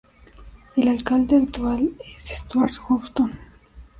El alcalde actual es Stuart Houston.